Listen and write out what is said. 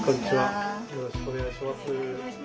よろしくお願いします。